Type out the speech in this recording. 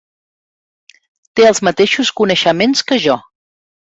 Té els mateixos coneixements que jo.